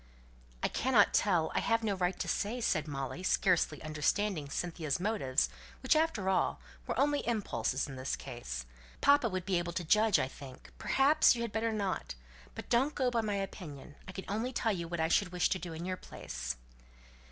"I cannot tell; I have no right to say," replied Molly, scarcely understanding Cynthia's motives, which, after all, were only impulses in this case. "Papa would be able to judge; I think, perhaps, you had better not. But don't go by my opinion; I can only tell what I should wish to do in your place."